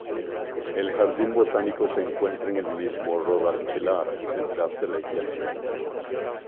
El jardín botánico se encuentra en el mismo Rodalquilar, detrás de la iglesia.